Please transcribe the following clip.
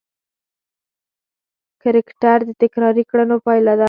کرکټر د تکراري کړنو پایله ده.